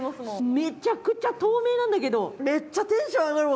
めちゃくちゃ透明なんだけどめっちゃテンション上がるわ。